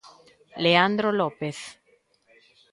Leandro López.